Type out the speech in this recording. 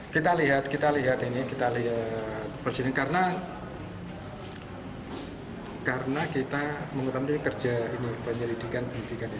kita lihat kita lihat ini kita lihat presiden karena kita mengetahui kerja ini penyelidikan penyelidikan ini